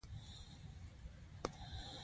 • مینه د سپوږمۍ نرمه رڼا ده.